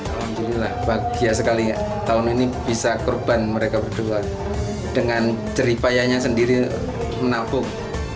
alhamdulillah bahagia sekali tahun ini bisa kurban mereka berdua dengan jeripayanya sendiri menabung